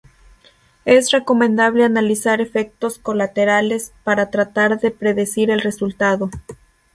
Es recomendable analizar efectos colaterales, para tratar de predecir el resultado.